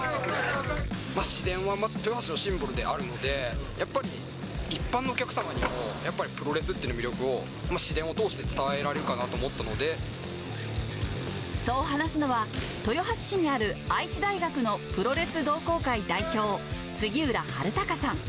市電は豊橋のシンボルであるので、やっぱり一般のお客様にも、やっぱりプロレスの魅力を市電を通して伝えられるかなと思ったのそう話すのは、豊橋市にある愛知大学のプロレス同好会代表、杉浦永卓さん。